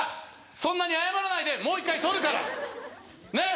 そんなに謝らないでもう一回録るからねえ